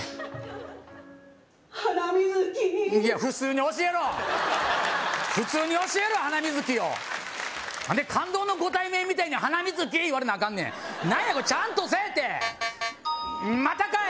ハナミズキいや普通に教えろ普通に教えろ「ハナミズキ」を何で感動のご対面みたいに「ハナミズキ」言われなあかんねん何やこれちゃんとせえてまたかい